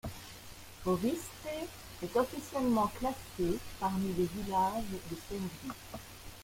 Trgovište est officiellement classé parmi les villages de Serbie.